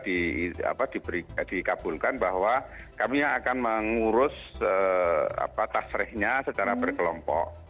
dikabulkan bahwa kami yang akan mengurus tasrehnya secara berkelompok